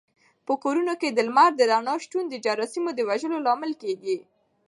په کورونو کې د لمر د رڼا شتون د جراثیمو د وژلو لامل کېږي.